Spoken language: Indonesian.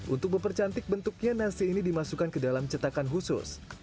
untuk mempercantik bentuknya nasi ini dimasukkan ke dalam cetakan khusus